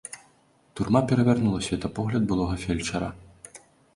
Турма перавярнула светапогляд былога фельчара.